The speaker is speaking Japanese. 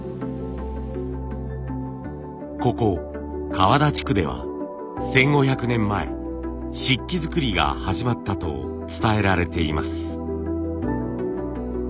ここ河和田地区では１，５００年前漆器作りが始まったと伝えられています。